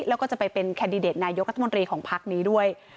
แล้วก็จะไปเป็นแคนดิเดตนายกรัฐมนตรีของพักนี้ด้วย